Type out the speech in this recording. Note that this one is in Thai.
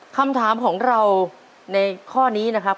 คำถามของเราในข้อนี้นะครับ